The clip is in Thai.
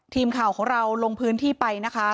ทีมข่าวของเราลงพื้นที่ไปนะคะ